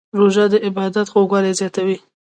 روژه د عبادت خوږوالی زیاتوي.